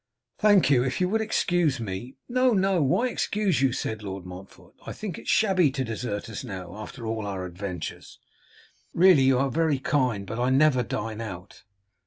'Thank you, if you would excuse me.' 'No, no; why excuse you?' said Lord Montfort: 'I think it shabby to desert us now, after all our adventures.' 'Really you are very kind, but I never dine out.